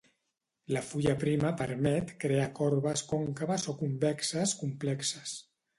La fulla prima permet crear corbes còncaves o convexes complexes.